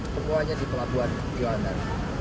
semuanya di pelabuhan yohanan